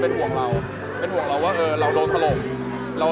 เพราะมันโทรส่าปรงของครับ